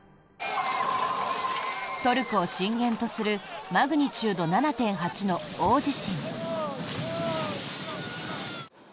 トルコを震源とするマグニチュード７．８の大地震。